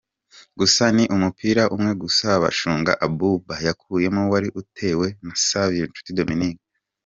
Gusa ni umupira umwe gusa Bashunga Abouba yakuyemo wari utewe na Savio Nshuti Dominique.